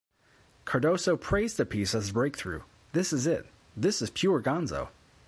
Cardoso praised the piece as a breakthrough: This is it, this is pure Gonzo.